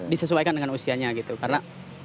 disesuaikan dengan usianya gitu karena